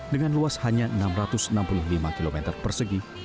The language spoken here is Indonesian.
dengan luas hanya enam ratus enam puluh lima km persegi